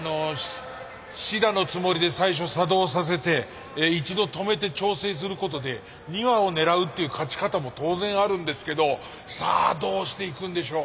試打のつもりで最初作動させて一度止めて調整することで２羽を狙うっていう勝ち方も当然あるんですけどさあどうしていくんでしょう。